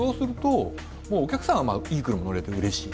お客さんはいい車に乗れてうれしい。